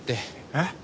えっ？